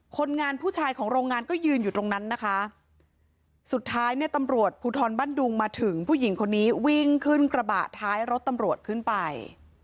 คนงานผู้ชายของโรงงานก็ยืนอยู่ตรงนั้นนะคะสุดท้ายเนี่ยตำรวจภูทรบ้านดุงมาถึงผู้หญิงคนนี้วิ่งขึ้นกระบะท้ายรถตำรวจขึ้นไป